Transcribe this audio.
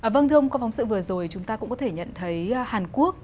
vâng thưa ông qua phóng sự vừa rồi chúng ta cũng có thể nhận thấy hàn quốc